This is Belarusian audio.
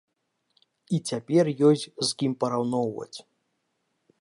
І цяпер ёсць з кім параўноўваць.